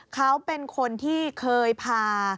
เขาเป็นคนที่เคยพา